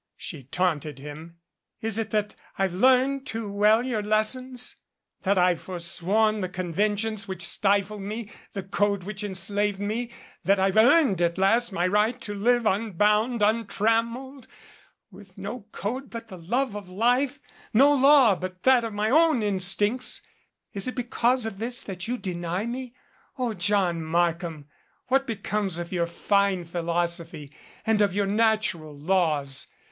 she taunted him. "Is it that I've learned too well your lessons ? That I've foresworn the conventions which stifled me, the code which enslaved me, that I've earned at last my right to live unbound, untrammeled with no code but the love of life, no law but that of my own instincts is it because 246 GREAT PAN IS DEAD of this that you deny me? O John Markham! What be comes of your fine philosophy? And of your natural laws?